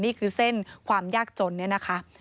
นี่คือเส้นความยากจนเนี่ยนะคะ